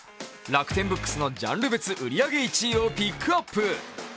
楽天ブックスのジャンル別売り上げ１位をピックアップ。